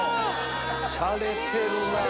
しゃれてるなぁ！